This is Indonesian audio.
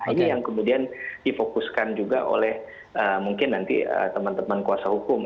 ini yang kemudian difokuskan juga oleh mungkin nanti teman teman kuasa hukum